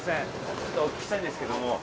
ちょっとお聞きしたいんですけども。